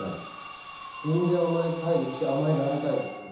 全然甘えたいですし甘えられたいですね。